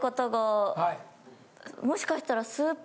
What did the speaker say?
もしかしたら。